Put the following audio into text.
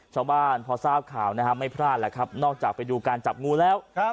ชาวบ้านพอทราบข่าวนะฮะไม่พลาดแล้วครับนอกจากไปดูการจับงูแล้ว